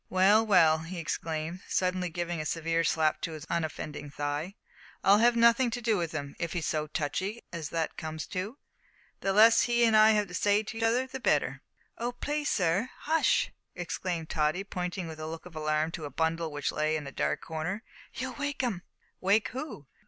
"Well, well," he exclaimed, suddenly giving a severe slap to his unoffending thigh, "I'll have nothing to do with him. If he's so touchy as that comes to, the less that he and I have to say to each other the better." "Oh! please, sir, hush!" exclaimed Tottie, pointing with a look of alarm to a bundle which lay in a dark corner, "you'll wake 'im." "Wake who?"